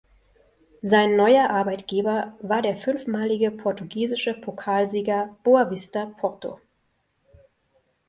Sein neuer Arbeitgeber war der fünfmalige portugiesische Pokalsieger Boavista Porto.